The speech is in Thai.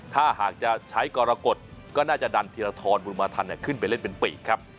ถ้าหากจะใช้กรกฎก็น่าจะดันธีรทรบุญมาทันขึ้นไปเล่นเป็นปีกครับ